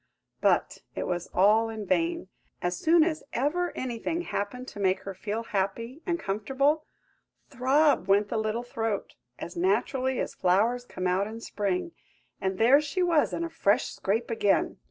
But it was all in vain. As soon as ever anything happened to make her feel happy and comfortable, throb went the little throat, as naturally as flowers come out in spring, and there she was in a fresh scrape again!